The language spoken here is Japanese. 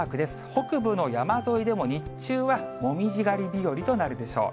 北部の山沿いでも日中はもみじ狩り日和となるでしょう。